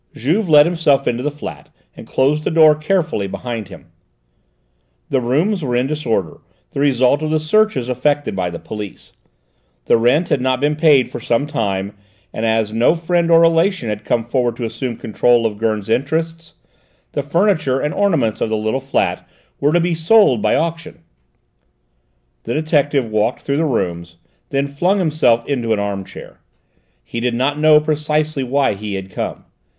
Juve let himself into the flat and closed the door carefully behind him. The rooms were in disorder, the result of the searches effected by the police. The rent had not been paid for some time, and as no friend or relation had come forward to assume control of Gurn's interests, the furniture and ornaments of the little flat were to be sold by auction. The detective walked through the rooms, then flung himself into an arm chair. He did not know precisely why he had come.